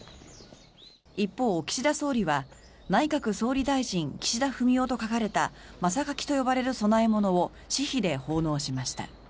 一方、岸田総理は「内閣総理大臣岸田文雄」と書かれた真榊と呼ばれる供え物を私費で奉納しました。